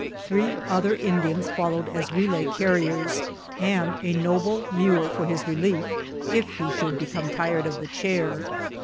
Three other Indians followed as relay carriers, and a noble mule for his relief if he should be come tired of the chair.